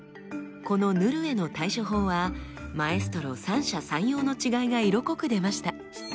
このヌルへの対処法はマエストロ三者三様の違いが色濃く出ました。